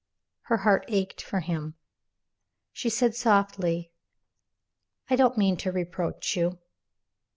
Her heart ached for him. She said, softly: "I don't mean to reproach you."